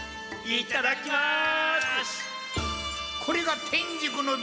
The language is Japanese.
いただきます！